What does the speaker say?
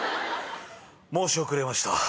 ⁉申し遅れました。